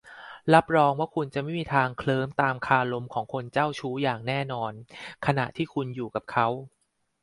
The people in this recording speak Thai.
รับรองว่าคุณจะไม่มีทางเคลิ้มตามคารมของคนเจ้าชู้อย่างแน่นอน ขณะที่คุณอยู่กับเขา